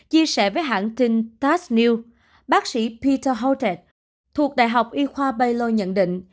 chia sẻ với hãng tin tas news bác sĩ peter holtet thuộc đại học y khoa baylor nhận định